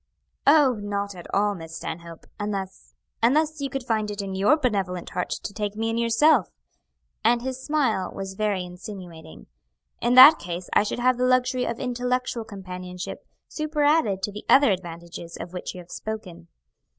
"Oh, not at all, Miss Stanhope, unless unless you could find it in your benevolent heart to take me in yourself;" and his smile was very insinuating. "In that case I should have the luxury of intellectual companionship superadded to the other advantages of which you have spoken."